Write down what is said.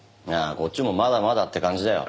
こっちもまだまだって感じだよ。